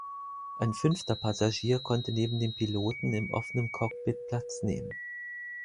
Ein fünfter Passagier konnte neben dem Piloten im offenen Cockpit Platz nehmen.